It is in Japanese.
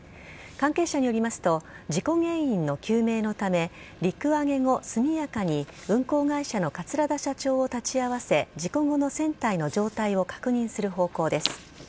関係者によりますと事故原因の究明のため陸揚げ後、速やかに運航会社の桂田社長を立ち合わせ事故後の船体の状態を確認する方向です。